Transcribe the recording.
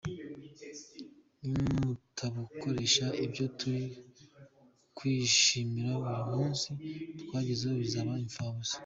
Nimutabukoresha ibyo turi kwishimira uyu munsi twagezeho bizaba imfabusa.